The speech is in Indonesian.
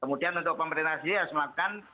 kemudian untuk pemerintah sendiri harus melakukan